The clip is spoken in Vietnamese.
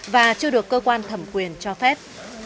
và chưa được cơ quan thẩm quyền cho phép